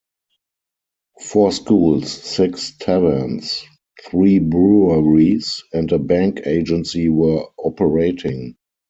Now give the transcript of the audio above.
Four schools, six taverns, three breweries and a bank agency were operating.